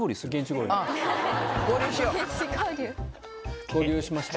合流した。